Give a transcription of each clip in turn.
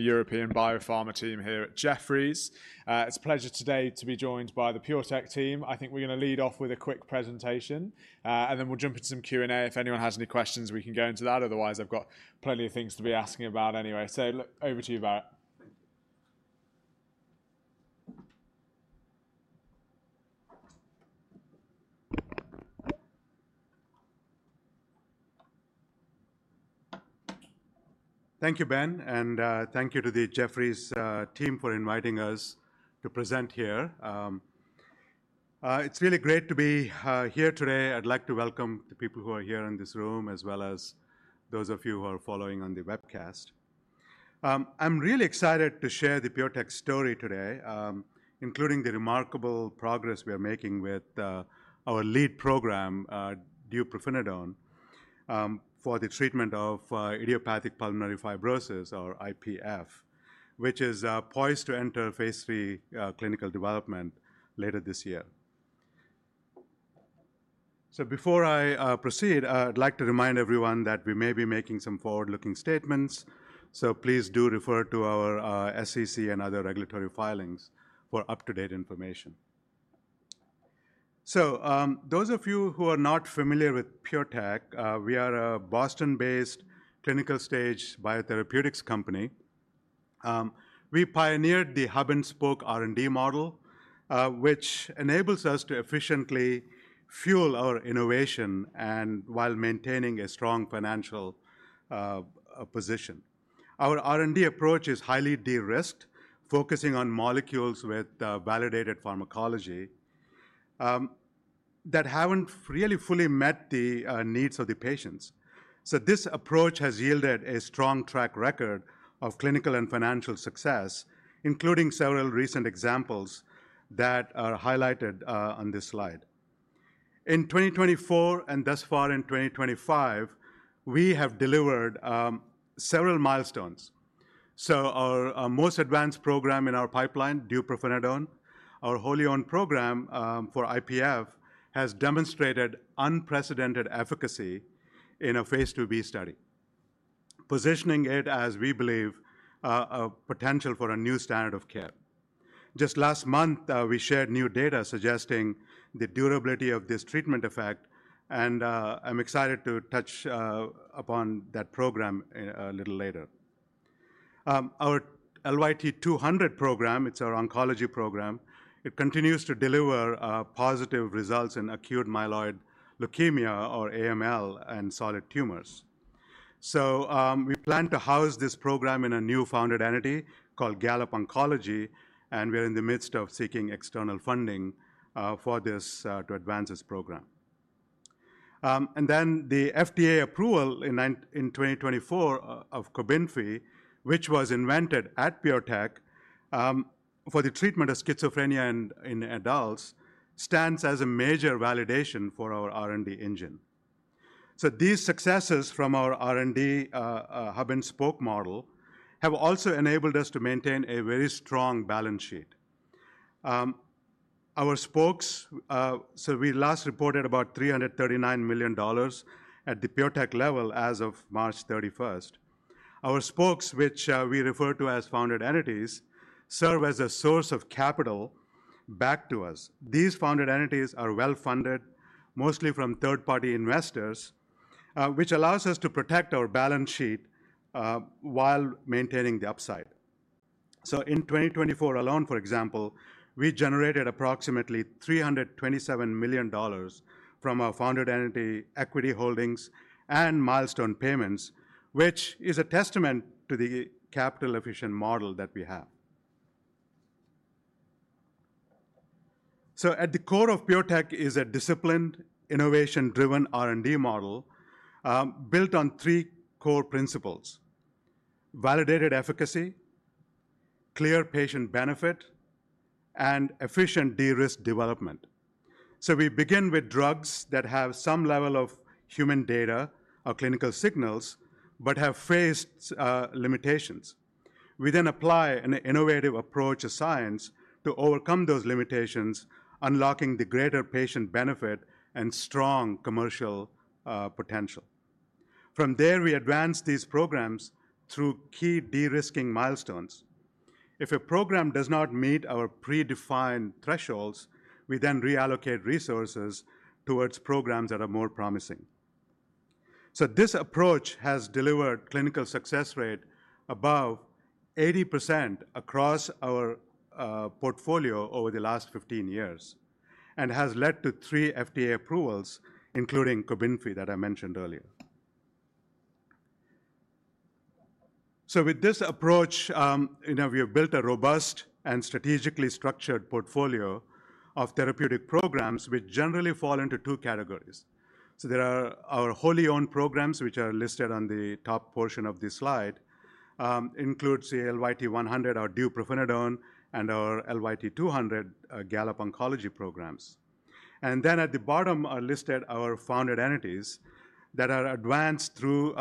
European BioPharma team here at Jefferies. It's a pleasure today to be joined by the PureTech team. I think we're going to lead off with a quick presentation, and then we'll jump into some Q&A. If anyone has any questions, we can go into that. Otherwise, I've got plenty of things to be asking about anyway. Over to you, Bharatt. Thank you. Thank you, Ben, and thank you to the Jefferies team for inviting us to present here. It's really great to be here today. I'd like to welcome the people who are here in this room, as well as those of you who are following on the webcast. I'm really excited to share the PureTech story today, including the remarkable progress we are making with our lead program, deupirfenidone, for the treatment of idiopathic pulmonary fibrosis, or IPF, which is poised to enter phase three clinical development later this year. Before I proceed, I'd like to remind everyone that we may be making some forward-looking statements. Please do refer to our SEC and other regulatory filings for up-to-date information. Those of you who are not familiar with PureTech, we are a Boston-based clinical stage biotherapeutics company. We pioneered the hub-and-spoke R&D model, which enables us to efficiently fuel our innovation while maintaining a strong financial position. Our R&D approach is highly de-risked, focusing on molecules with validated pharmacology that have not really fully met the needs of the patients. This approach has yielded a strong track record of clinical and financial success, including several recent examples that are highlighted on this slide. In 2024, and thus far in 2025, we have delivered several milestones. Our most advanced program in our pipeline, deupirfenidone, our wholly owned program for IPF, has demonstrated unprecedented efficacy in a phase IIb study, positioning it, as we believe, a potential for a new standard of care. Just last month, we shared new data suggesting the durability of this treatment effect, and I am excited to touch upon that program a little later. Our LYT-200 program, it's our oncology program, continues to deliver positive results in acute myeloid leukemia, or AML, and solid tumors. We plan to house this program in a new founded entity called Gallop Oncology, and we're in the midst of seeking external funding to advance this program. The FDA approval in 2024 of COBENFY, which was invented at PureTech for the treatment of schizophrenia in adults, stands as a major validation for our R&D engine. These successes from our R&D hub-and-spoke model have also enabled us to maintain a very strong balance sheet. Our spokes, so we last reported about $339 million at the PureTech level as of March 31st. Our spokes, which we refer to as founded entities, serve as a source of capital back to us. These founded entities are well funded, mostly from third-party investors, which allows us to protect our balance sheet while maintaining the upside. In 2024 alone, for example, we generated approximately $327 million from our founded entity, equity holdings and milestone payments, which is a testament to the capital efficient model that we have. At the core of PureTech is a disciplined, innovation-driven R&D model built on three core principles: validated efficacy, clear patient benefit, and efficient de-risk development. We begin with drugs that have some level of human data or clinical signals, but have phase limitations. We then apply an innovative approach to science to overcome those limitations, unlocking the greater patient benefit and strong commercial potential. From there, we advance these programs through key de-risking milestones. If a program does not meet our predefined thresholds, we then reallocate resources towards programs that are more promising. This approach has delivered clinical success rate above 80% across our portfolio over the last 15 years and has led to three FDA approvals, including COBENFY that I mentioned earlier. With this approach, we have built a robust and strategically structured portfolio of therapeutic programs, which generally fall into two categories. There are our wholly owned programs, which are listed on the top portion of this slide, includes the LYT-100, our deupirfenidone, and our LYT-200 Gallop Oncology programs. At the bottom are listed our founded entities that are advanced through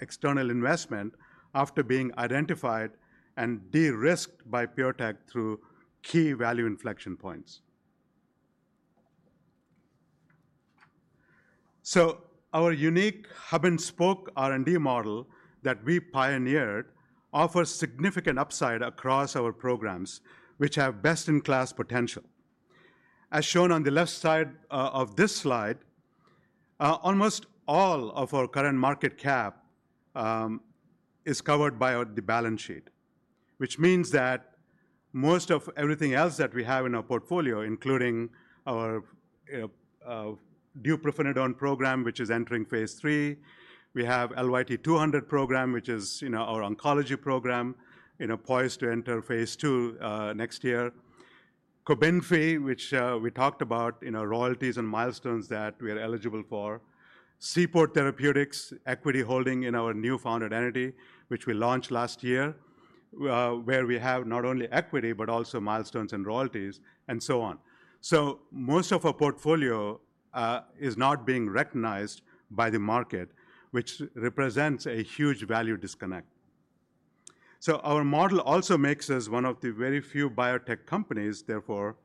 external investment after being identified and de-risked by PureTech through key value inflection points. Our unique hub-and-spoke R&D model that we pioneered offers significant upside across our programs, which have best-in-class potential. As shown on the left side of this slide, almost all of our current market cap is covered by the balance sheet, which means that most of everything else that we have in our portfolio, including our deupirfenidone program, which is entering phase three, we have LYT-200 program, which is our oncology program, poised to enter phase two next year, COBENFY, which we talked about royalties and milestones that we are eligible for, Seaport Therapeutics, equity holding in our new founded entity, which we launched last year, where we have not only equity, but also milestones and royalties, and so on. Most of our portfolio is not being recognized by the market, which represents a huge value disconnect. Our model also makes us one of the very few biotech companies, therefore,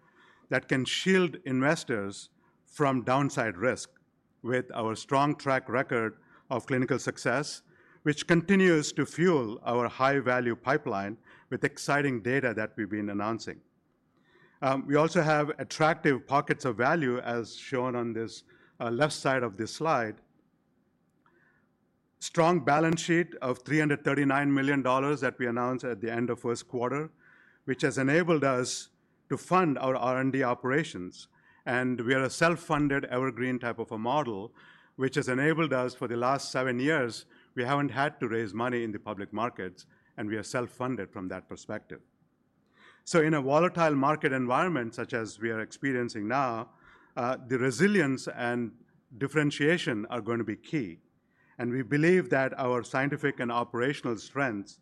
that can shield investors from downside risk with our strong track record of clinical success, which continues to fuel our high-value pipeline with exciting data that we've been announcing. We also have attractive pockets of value, as shown on this left side of this slide, a strong balance sheet of $339 million that we announced at the end of first quarter, which has enabled us to fund our R&D operations. We are a self-funded evergreen type of a model, which has enabled us for the last seven years, we haven't had to raise money in the public markets, and we are self-funded from that perspective. In a volatile market environment, such as we are experiencing now, the resilience and differentiation are going to be key. We believe that our scientific and operational strengths,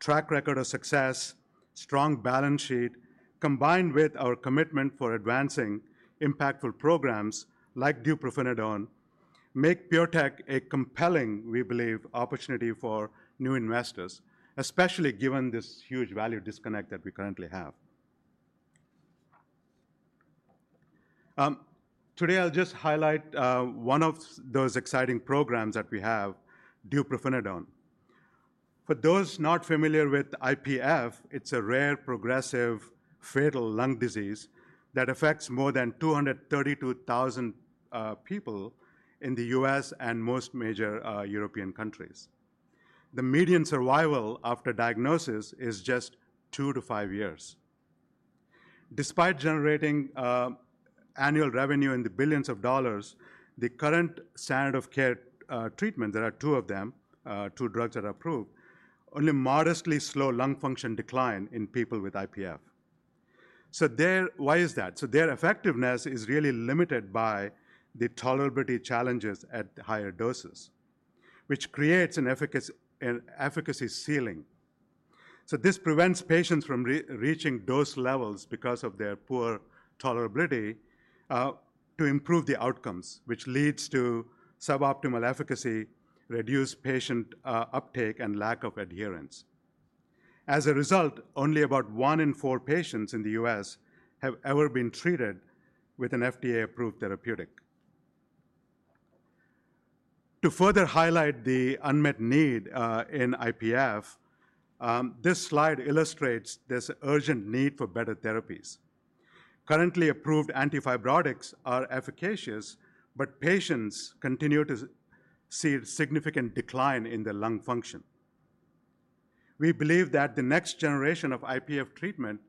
track record of success, and strong balance sheet, combined with our commitment for advancing impactful programs like deupirfenidone, make PureTech a compelling, we believe, opportunity for new investors, especially given this huge value disconnect that we currently have. Today, I'll just highlight one of those exciting programs that we have, deupirfenidone. For those not familiar with IPF, it's a rare progressive fatal lung disease that affects more than 232,000 people in the U.S. and most major European countries. The median survival after diagnosis is just two to five years. Despite generating annual revenue in the billions of dollars, the current standard of care treatment, there are two of them, two drugs that are approved, only modestly slow lung function decline in people with IPF. Why is that? Their effectiveness is really limited by the tolerability challenges at higher doses, which creates an efficacy ceiling. This prevents patients from reaching dose levels because of their poor tolerability to improve the outcomes, which leads to suboptimal efficacy, reduced patient uptake, and lack of adherence. As a result, only about one in four patients in the U.S. have ever been treated with an FDA-approved therapeutic. To further highlight the unmet need in IPF, this slide illustrates this urgent need for better therapies. Currently approved antifibrotics are efficacious, but patients continue to see a significant decline in their lung function. We believe that the next generation of IPF treatment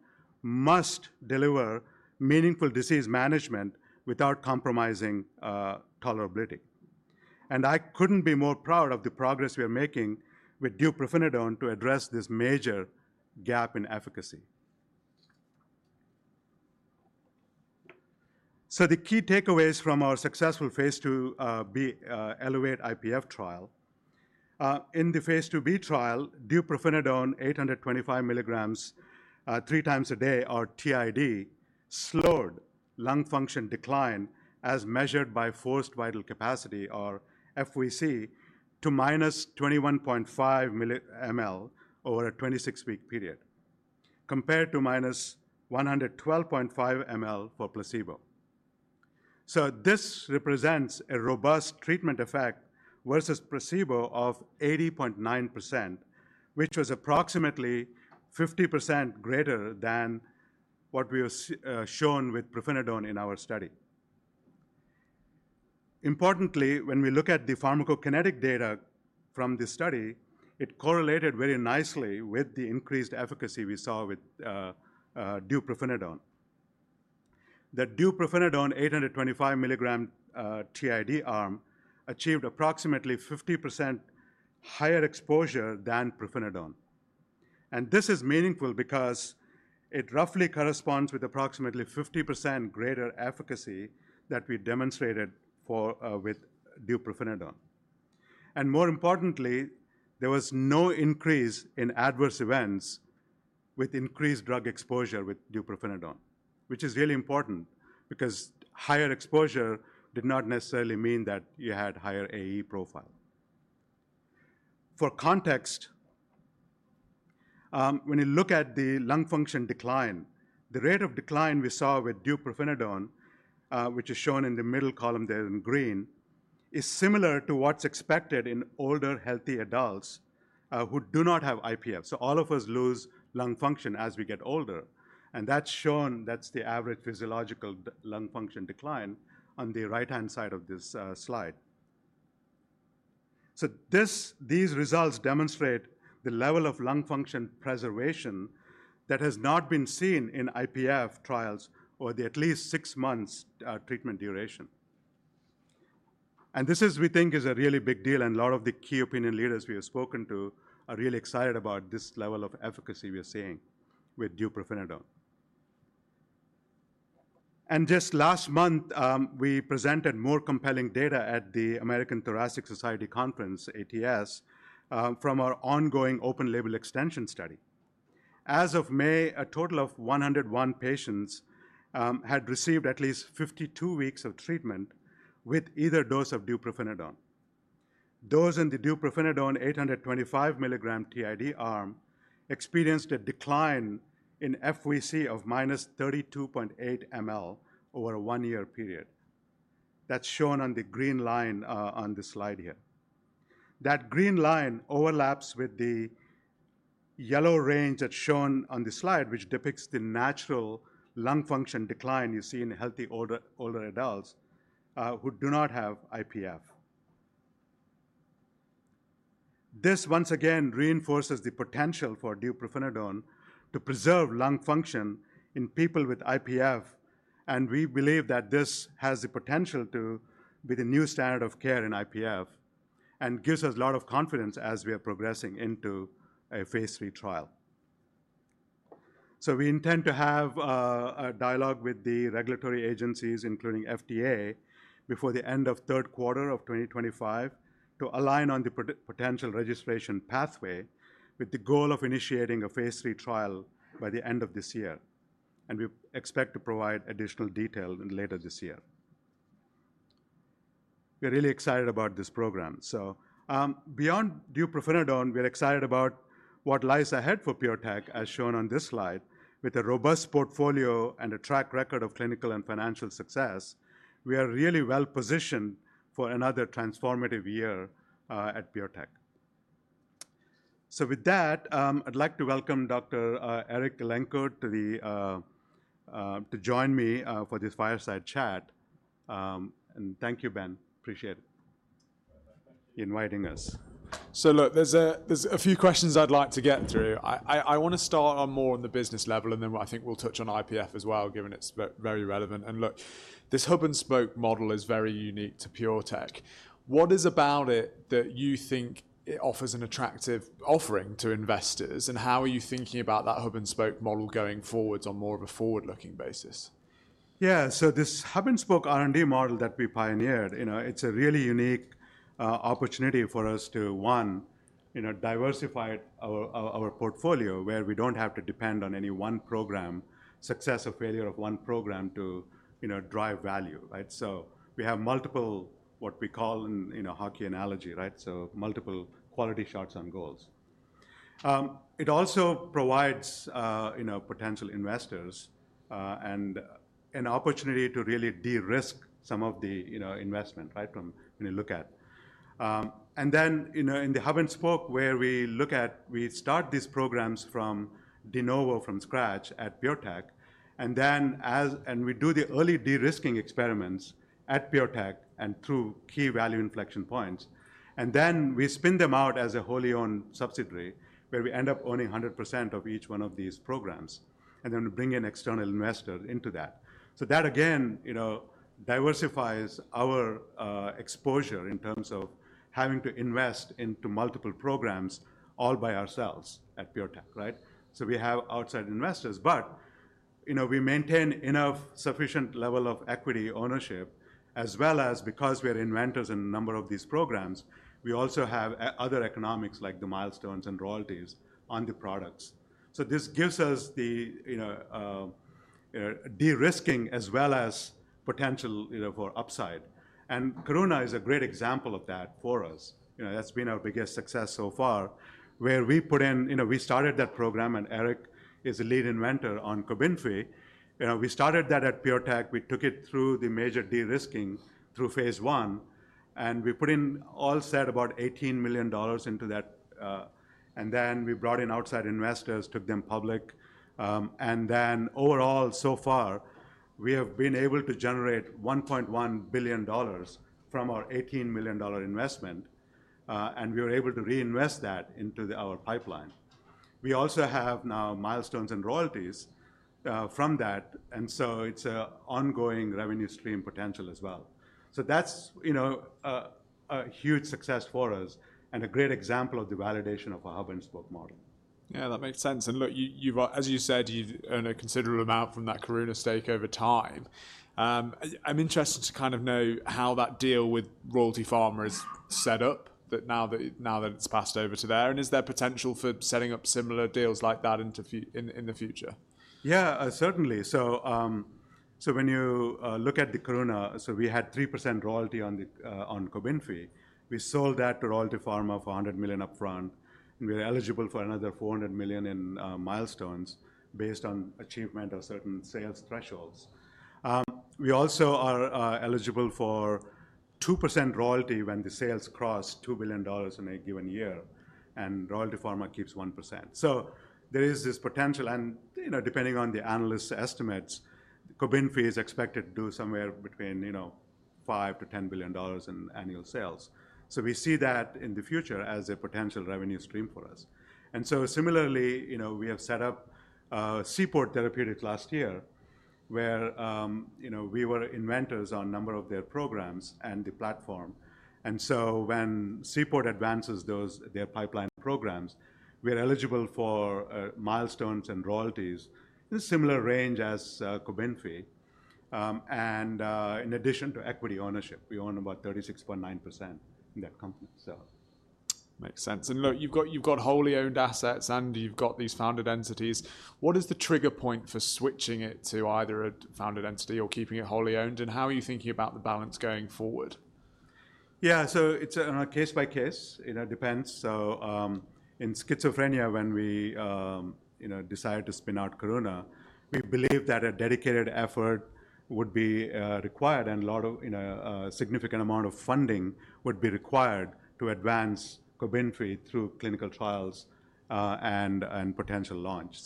must deliver meaningful disease management without compromising tolerability. I could not be more proud of the progress we are making with deupirfenidone to address this major gap in efficacy. The key takeaways from our successful phase II-B ELEVATE IPF trial. In the phase II-B trial, deupirfenidone 825 mg three times a day, or TID, slowed lung function decline as measured by forced vital capacity, or FVC, to -21.5 mL over a 26-week period, compared to -112.5 mL for placebo. This represents a robust treatment effect versus placebo of 80.9%, which was approximately 50% greater than what we have shown with deupirfenidone in our study. Importantly, when we look at the pharmacokinetic data from this study, it correlated very nicely with the increased efficacy we saw with deupirfenidone. The deupirfenidone 825 mg TID arm achieved approximately 50% higher exposure than deupirfenidone. This is meaningful because it roughly corresponds with approximately 50% greater efficacy that we demonstrated with deupirfenidone. More importantly, there was no increase in adverse events with increased drug exposure with deupirfenidone, which is really important because higher exposure did not necessarily mean that you had a higher AE profile. For context, when you look at the lung function decline, the rate of decline we saw with deupirfenidone, which is shown in the middle column there in green, is similar to what is expected in older healthy adults who do not have IPF. All of us lose lung function as we get older. That is shown, that is the average physiological lung function decline on the right-hand side of this slide. These results demonstrate the level of lung function preservation that has not been seen in IPF trials over at least six months treatment duration. This is, we think, is a really big deal. A lot of the key opinion leaders we have spoken to are really excited about this level of efficacy we are seeing with deupirfenidone. Just last month, we presented more compelling data at the American Thoracic Society Conference, ATS, from our ongoing open-label extension study. As of May, a total of 101 patients had received at least 52 weeks of treatment with either dose of deupirfenidone. Those in the deupirfenidone 825 mg TID arm experienced a decline in FVC of -32.8 mL over a one-year period. That is shown on the green line on this slide here. That green line overlaps with the yellow range that is shown on the slide, which depicts the natural lung function decline you see in healthy older adults who do not have IPF. This once again reinforces the potential for deupirfenidone to preserve lung function in people with IPF. We believe that this has the potential to be the new standard of care in IPF and gives us a lot of confidence as we are progressing into a phase III trial. We intend to have a dialogue with the regulatory agencies, including FDA, before the end of the third quarter of 2025 to align on the potential registration pathway with the goal of initiating a phase III trial by the end of this year. We expect to provide additional detail later this year. We are really excited about this program. Beyond deupirfenidone, we are excited about what lies ahead for PureTech, as shown on this slide. With a robust portfolio and a track record of clinical and financial success, we are really well positioned for another transformative year at PureTech. With that, I'd like to welcome Dr. Eric Elenko to join me for this fireside chat. Thank you, Ben. Appreciate it. Thank you. Inviting us. Look, there are a few questions I'd like to get through. I want to start more on the business level, and then I think we'll touch on IPF as well, given it's very relevant. This hub-and-spoke model is very unique to PureTech. What is it about it that you think offers an attractive offering to investors? How are you thinking about that hub-and-spoke model going forward on more of a forward-looking basis? Yeah. This hub-and-spoke R&D model that we pioneered, it's a really unique opportunity for us to, one, diversify our portfolio where we don't have to depend on any one program, success or failure of one program to drive value. We have multiple, what we call in hockey analogy, multiple quality shots on goals. It also provides potential investors an opportunity to really de-risk some of the investment when you look at. In the hub-and-spoke where we look at, we start these programs from de novo, from scratch at PureTech. We do the early de-risking experiments at PureTech and through key value inflection points. We spin them out as a wholly owned subsidiary where we end up owning 100% of each one of these programs. We bring in external investors into that. That, again, diversifies our exposure in terms of having to invest into multiple programs all by ourselves at PureTech. We have outside investors, but we maintain enough sufficient level of equity ownership, as well as because we are inventors in a number of these programs, we also have other economics like the milestones and royalties on the products. This gives us the de-risking as well as potential for upside. Corona is a great example of that for us. That's been our biggest success so far where we put in, we started that program, and Eric is a lead inventor on COBENFY. We started that at PureTech. We took it through the major de-risking through phase one. We put in, all said, about $18 million into that. Then we brought in outside investors, took them public. Overall, so far, we have been able to generate $1.1 billion from our $18 million investment. We were able to reinvest that into our pipeline. We also have now milestones and royalties from that. It is an ongoing revenue stream potential as well. That is a huge success for us and a great example of the validation of our hub-and-spoke model. Yeah, that makes sense. And look, as you said, you've earned a considerable amount from that Karuna stake over time. I'm interested to kind of know how that deal with Royalty Pharma is set up now that it's passed over to there. And is there potential for setting up similar deals like that in the future? Yeah, certainly. So when you look at the COBENFY, we had 3% royalty on COBENFY. We sold that to Royalty Pharma for $100 million upfront. We were eligible for another $400 million in milestones based on achievement of certain sales thresholds. We also are eligible for 2% royalty when the sales cross $2 billion in a given year. And Royalty Pharma keeps 1%. There is this potential. Depending on the analysts' estimates, COBENFY is expected to do somewhere between $5 billion-$10 billion in annual sales. We see that in the future as a potential revenue stream for us. Similarly, we have set up Seaport Therapeutics last year where we were inventors on a number of their programs and the platform. When Seaport advances their pipeline programs, we are eligible for milestones and royalties in a similar range as COBENFY. In addition to equity ownership, we own about 36.9% in that company. Makes sense. Look, you've got wholly owned assets and you've got these founded entities. What is the trigger point for switching it to either a founded entity or keeping it wholly owned? How are you thinking about the balance going forward? Yeah. It is on a case by case. It depends. In schizophrenia, when we decided to spin out Karuna, we believed that a dedicated effort would be required and a significant amount of funding would be required to advance COBENFY through clinical trials and potential launch.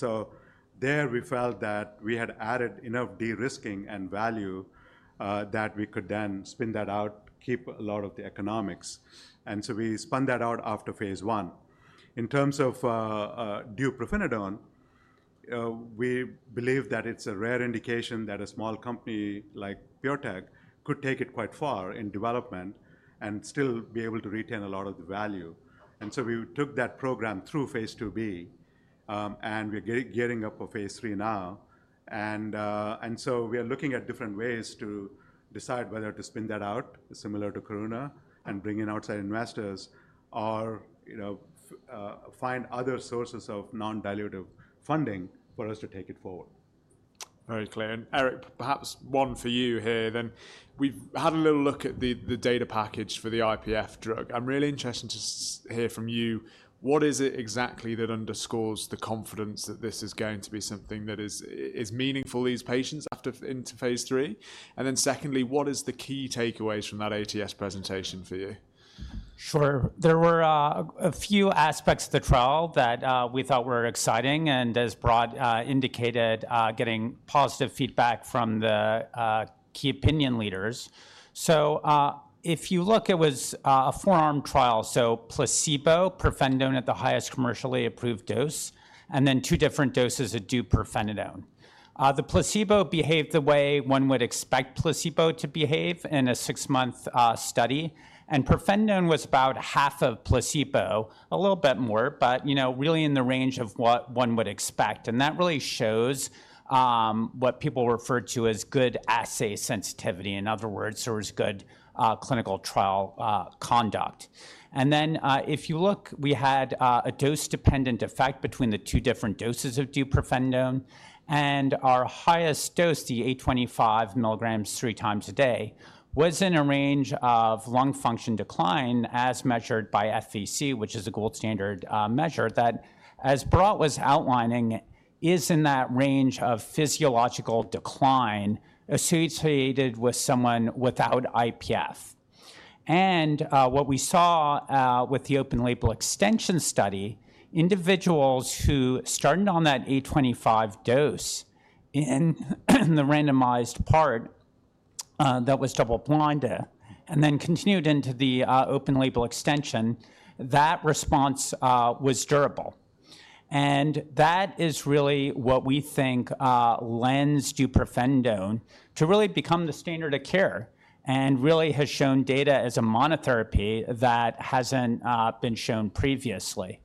There we felt that we had added enough de-risking and value that we could then spin that out, keep a lot of the economics. We spun that out after phase I. In terms of deupirfenidone, we believe that it is a rare indication that a small company like PureTech could take it quite far in development and still be able to retain a lot of the value. We took that program through phase II-B. We are gearing up for phase III now. We are looking at different ways to decide whether to spin that out, similar to Karuna, and bring in outside investors or find other sources of non-dilutive funding for us to take it forward. Very clear. Eric, perhaps one for you here. We've had a little look at the data package for the IPF drug. I'm really interested to hear from you. What is it exactly that underscores the confidence that this is going to be something that is meaningful to these patients after into phase three? What are the key takeaways from that ATS presentation for you? Sure. There were a few aspects of the trial that we thought were exciting and, as Bharatt indicated, getting positive feedback from the key opinion leaders. If you look, it was a four-arm trial. Placebo, pirfenidone at the highest commercially approved dose, and then two different doses of deupirfenidone. The placebo behaved the way one would expect placebo to behave in a six-month study. Pirfenidone was about half of placebo, a little bit more, but really in the range of what one would expect. That really shows what people refer to as good assay sensitivity. In other words, there was good clinical trial conduct. If you look, we had a dose-dependent effect between the two different doses of deupirfenidone. Our highest dose, the 825 mg three times a day, was in a range of lung function decline as measured by FVC, which is a gold standard measure that, as Bharatt was outlining, is in that range of physiological decline associated with someone without IPF. What we saw with the open-label extension study, individuals who started on that 825 dose in the randomized part that was double-blinded and then continued into the open-label extension, that response was durable. That is really what we think lends deupirfenidone to really become the standard of care and really has shown data as a monotherapy that has not been shown previously.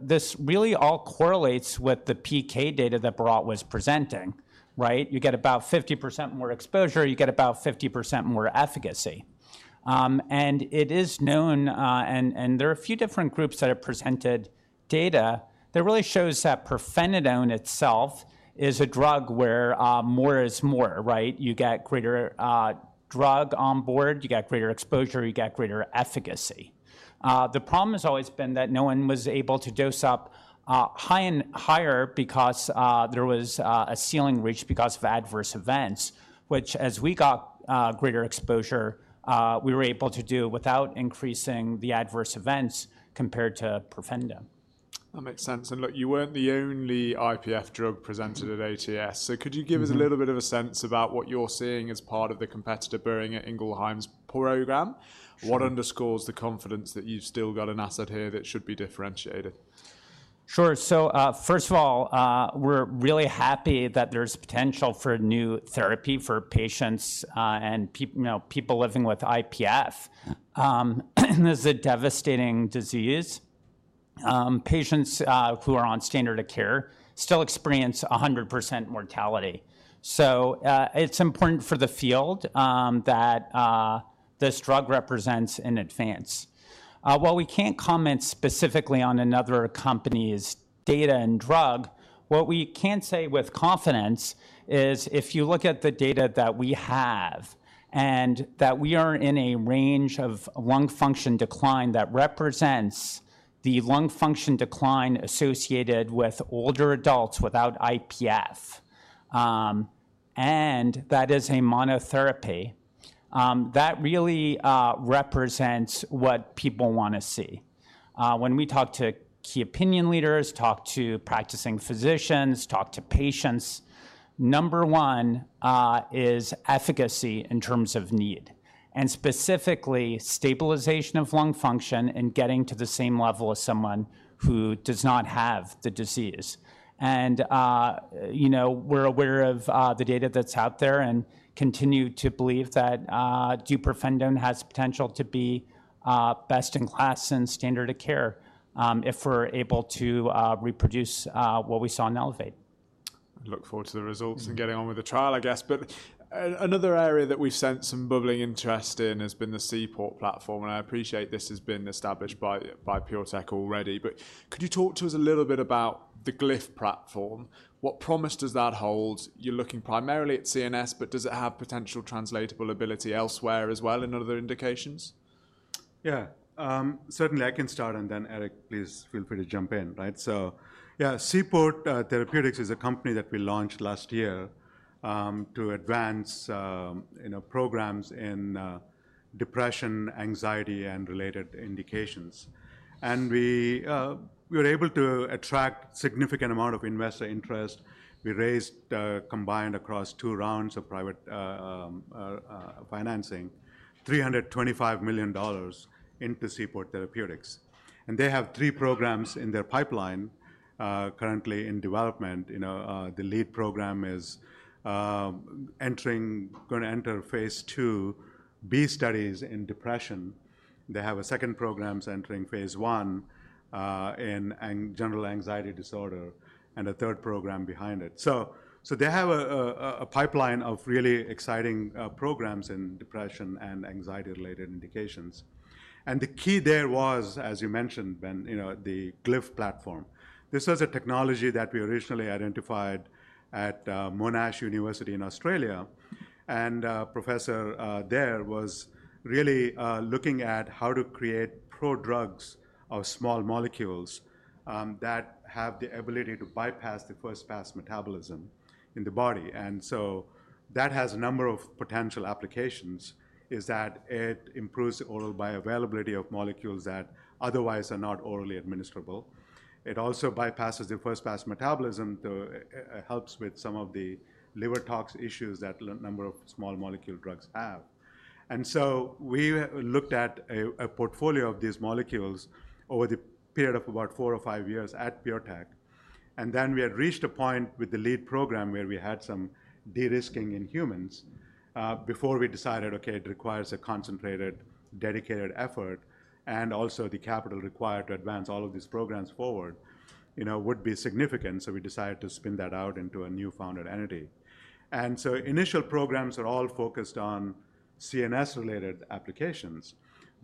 This really all correlates with the PK data that Bharatt was presenting. You get about 50% more exposure. You get about 50% more efficacy. It is known, and there are a few different groups that have presented data that really shows that pirfenidone itself is a drug where more is more. You get greater drug on board. You get greater exposure. You get greater efficacy. The problem has always been that no one was able to dose up higher because there was a ceiling reached because of adverse events, which, as we got greater exposure, we were able to do without increasing the adverse events compared to pirfenidone. That makes sense. Look, you weren't the only IPF drug presented at ATS. Could you give us a little bit of a sense about what you're seeing as part of the competitor Boehringer Ingelheim's program? What underscores the confidence that you've still got an asset here that should be differentiated? Sure. First of all, we're really happy that there's potential for new therapy for patients and people living with IPF. This is a devastating disease. Patients who are on standard of care still experience 100% mortality. It is important for the field that this drug represents an advance. While we can't comment specifically on another company's data and drug, what we can say with confidence is if you look at the data that we have and that we are in a range of lung function decline that represents the lung function decline associated with older adults without IPF, and that as a monotherapy, that really represents what people want to see. When we talk to key opinion leaders, talk to practicing physicians, talk to patients, number one is efficacy in terms of need, and specifically stabilization of lung function and getting to the same level as someone who does not have the disease. We are aware of the data that is out there and continue to believe that deupirfenidone has potential to be best in class and standard of care if we are able to reproduce what we saw in ELEVATE. Look forward to the results and getting on with the trial, I guess. Another area that we've seen some bubbling interest in has been the Seaport platform. I appreciate this has been established by PureTech already. Could you talk to us a little bit about the Glyph platform? What promise does that hold? You're looking primarily at CNS, but does it have potential translatable ability elsewhere as well in other indications? Yeah. Certainly, I can start. And then, Eric, please feel free to jump in. Yeah, Seaport Therapeutics is a company that we launched last year to advance programs in depression, anxiety, and related indications. We were able to attract a significant amount of investor interest. We raised, combined across two rounds of private financing, $325 million into Seaport Therapeutics. They have three programs in their pipeline currently in development. The lead program is going to enter phase II-B studies in depression. They have a second program entering phase one in general anxiety disorder and a third program behind it. They have a pipeline of really exciting programs in depression and anxiety-related indications. The key there was, as you mentioned, the Glyph platform. This was a technology that we originally identified at Monash University in Australia. A professor there was really looking at how to create pro-drugs of small molecules that have the ability to bypass the first-pass metabolism in the body. That has a number of potential applications in that it improves the oral bioavailability of molecules that otherwise are not orally administerable. It also bypasses the first-pass metabolism. It helps with some of the liver tox issues that a number of small molecule drugs have. We looked at a portfolio of these molecules over the period of about four or five years at PureTech. We had reached a point with the lead program where we had some de-risking in humans before we decided, OK, it requires a concentrated, dedicated effort. Also, the capital required to advance all of these programs forward would be significant. We decided to spin that out into a new founded entity. Initial programs are all focused on CNS-related applications.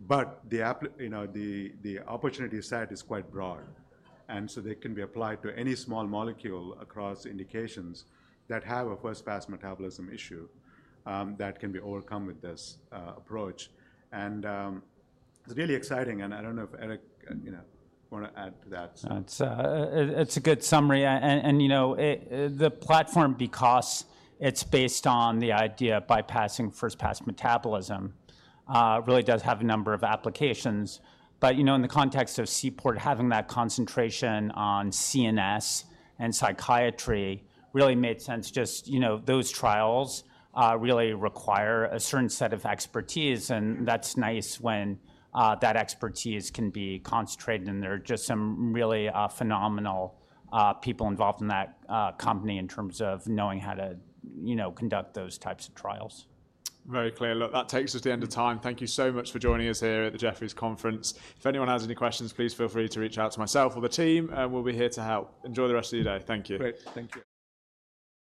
The opportunity set is quite broad. They can be applied to any small molecule across indications that have a first-pass metabolism issue that can be overcome with this approach. It is really exciting. I do not know if Eric wanted to add to that. It's a good summary. The platform, because it's based on the idea of bypassing first-pass metabolism, really does have a number of applications. In the context of Seaport, having that concentration on CNS and psychiatry really made sense. Just those trials really require a certain set of expertise. That's nice when that expertise can be concentrated. There are just some really phenomenal people involved in that company in terms of knowing how to conduct those types of trials. Very clear. Look, that takes us to the end of time. Thank you so much for joining us here at the Jefferies Conference. If anyone has any questions, please feel free to reach out to myself or the team. We will be here to help. Enjoy the rest of your day. Thank you. Great. Thank you.